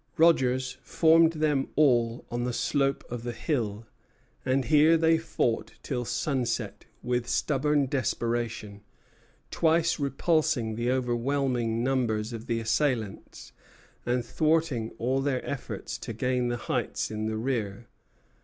Rogers formed them all on the slope of the hill; and here they fought till sunset with stubborn desperation, twice repulsing the overwhelming numbers of the assailants, and thwarting all their efforts to gain the heights in the rear.